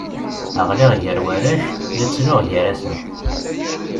Ɣliɣ gar warrac, la ttruɣ gar-asen.